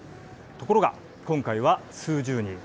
ところが、今回は数十人。